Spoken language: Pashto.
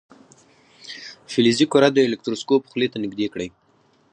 فلزي کره د الکتروسکوپ خولې ته نژدې کړئ.